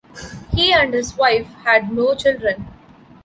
He and his wife had no children.